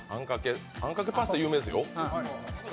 あんかけパスタ、有名ですよ。